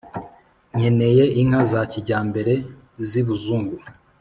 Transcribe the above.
Nkeneye inka za kijyambere z' ibuzungu